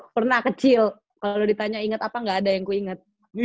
pernah kecil kalau ditanya ingat apa nggak ada yang kuingat